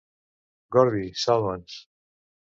Gorby, salva'ns!